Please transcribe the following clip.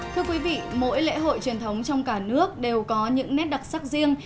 thưa quý vị mỗi lễ hội truyền thống trong cả nước đều có những nét đặc sắc riêng